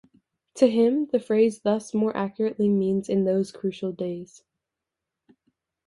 To him the phrase thus more accurately means in those crucial days.